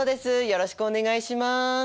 よろしくお願いします。